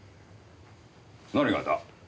何がだ？